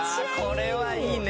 これはいいね。